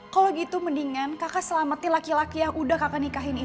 kalau gitu mendingan kakak selamatin laki laki yang udah kakak nikahin